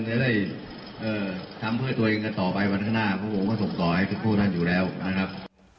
จะได้ทำเพื่อตัวเองกันต่อไปวันข้างหน้าเพราะผมก็ส่งต่อให้ทุกคู่ท่านอยู่แล้วนะครับ